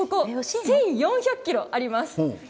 １４００ｋｍあります。